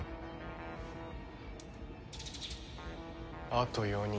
あと４人。